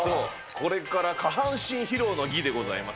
これから下半身披露の儀でございます。